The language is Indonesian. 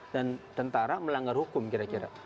dan tentara melanggar hukum kira kira